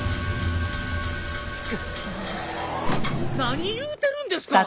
・何言うてるんですか！？